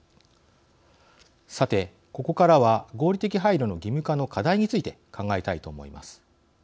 さて、ここからは合理的配慮の義務化の課題について考えたいと思います。